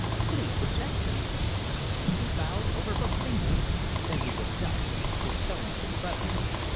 Please protect me." He bowed over her fingers. Then he looked up. His tone was impressive.